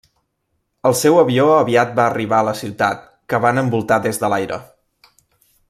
El seu avió aviat va arribar a la ciutat, que van envoltar des de l'aire.